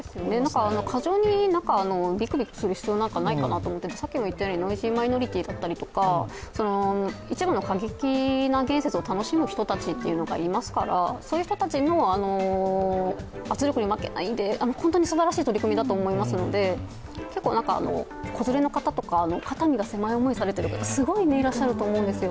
過剰にびくびくする必要なんかないかなと思ってノイジーマイノリティーだったりとか一部の過激な言説を楽しむ人たちがいますから、そういう人たちの圧力に負けないで、本当にすばらしい取り組みだと思いますので子連れの方とか、肩身が狭い思いをされている方いらっしゃると思うんですよ。